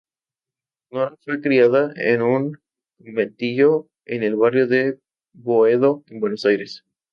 Nora fue criada en un conventillo en el barrio de Boedo en Buenos Aires.